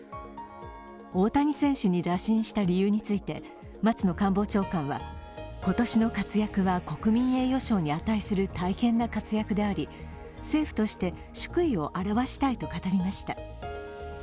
大谷選手に打診した理由について松野官房長官は今年の活躍は国民栄誉賞に値する大変な活躍であり、政府として祝意を表したいと語りました。